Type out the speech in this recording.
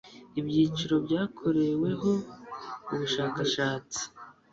ibyiciro byakoreweho ubushakashatsi